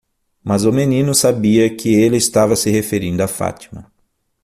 Mas o menino sabia que ele estava se referindo a Fátima.